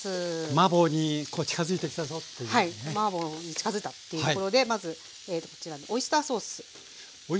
マーボーに近づいたというところでまずこちらにオイスターソース。